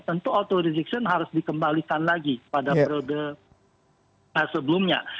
tentu auto rediction harus dikembalikan lagi pada periode sebelumnya